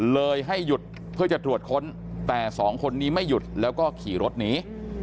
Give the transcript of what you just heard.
เลยให้หยุดเพื่อจะตรวจค้นแต่สองคนนี้ไม่หยุดแล้วก็ขี่รถหนี